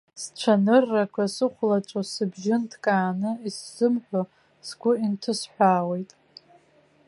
Сцәаныррақәа сыхәлаҵәо, сыбжьы нҭкааны исзымҳәо, сгәы инҭысҳәаауеит.